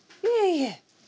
いえいえ。